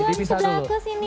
dua di sebelah aku sini